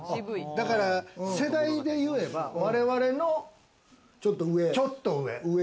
だから世代で言えば、われわれのちょっと上。